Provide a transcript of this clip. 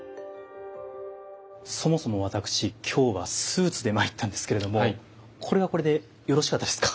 そもそも私今日はスーツで参ったんですけれどもこれはこれでよろしかったですか？